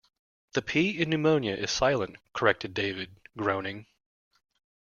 The P in pneumonia is silent, corrected David, groaning.